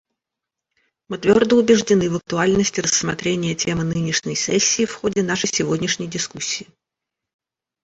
Мы твердо убеждены в актуальности рассмотрения темы нынешней сессии в ходе нашей сегодняшней дискуссии.